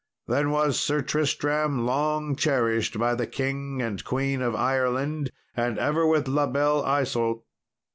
Then was Sir Tristram long cherished by the King and Queen of Ireland, and ever with La Belle Isault.